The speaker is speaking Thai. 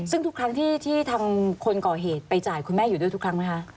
ซึ่งทุกครั้งที่ทางคนก่อเหตุไปจ่ายคุณแม่อยู่ด้วยทุกครั้งไหมคะ